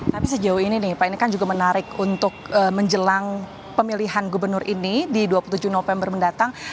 tapi sejauh ini nih pak ini kan juga menarik untuk menjelang pemilihan gubernur ini di dua puluh tujuh november mendatang